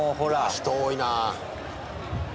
人多いなぁ。